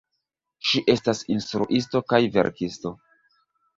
Ŝi estas instruisto kaj verkisto.